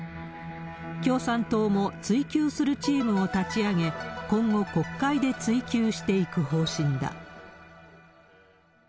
共産党も追及するチームを立ち上げ、今後、国会で追及していく方針だ。